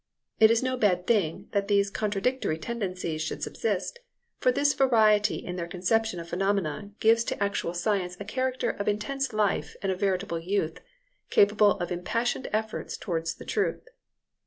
It is no bad thing that these contradictory tendencies should subsist, for this variety in the conception of phenomena gives to actual science a character of intense life and of veritable youth, capable of impassioned efforts towards the truth.